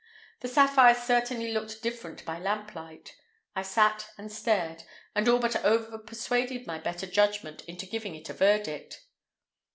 The sapphire certainly looked different by lamplight. I sat and stared, and all but overpersuaded my better judgment into giving it a verdict.